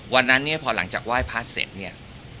วันนั้นเนี่ยพอหลังจากไหว้พระเสร็จเนี่ย